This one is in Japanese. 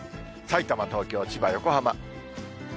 さいたま、東京、千葉、横浜。